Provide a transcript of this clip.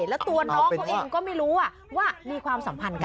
แล้วตัวน้องเขาเองก็ไม่รู้ว่ามีความสัมพันธ์กัน